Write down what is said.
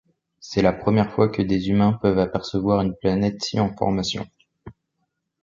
C'est la première fois que des humains peuvent apercevoir une planète si en formation.